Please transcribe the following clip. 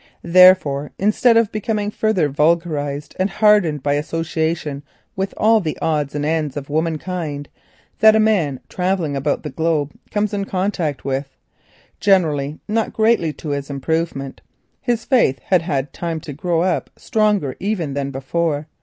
Therefore, instead of becoming further vulgarised and hardened by association with all the odds and ends of womankind that a man travelling about the globe comes into contact with, generally not greatly to his improvement, his faith had found time to grow up stronger even than at first.